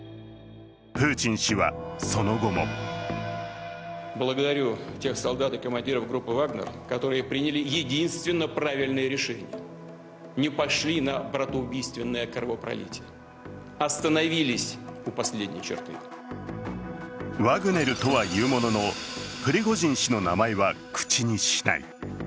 プーチン氏は、その後もワグネルとは言うもののプリゴジン氏の名前は口にしない。